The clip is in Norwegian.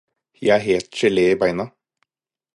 Jeg er helt gele i beina.